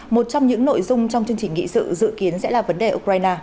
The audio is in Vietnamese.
một trong những nội dung trong chương trình nghị sự dự kiến sẽ là vấn đề ukraine